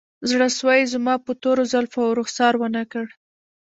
زړسوی یې زما په تورو زلفو او رخسار ونه کړ